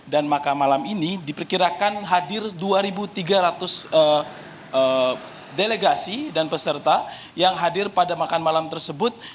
dan makan malam ini diperkirakan hadir dua tiga ratus delegasi dan peserta yang hadir pada makan malam tersebut